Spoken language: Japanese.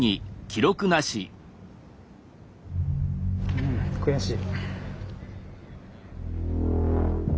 うん悔しい。